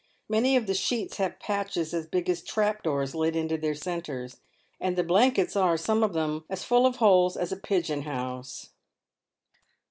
Many of the sheets have patches as big as trap doors let into their centres, and the blankets are — some of them — as full of holes as a pigeon house.